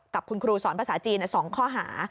กับคุณครูสอนภาษาจีน๒ข้อหา